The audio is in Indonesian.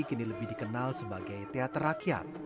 kini lebih dikenal sebagai teater rakyat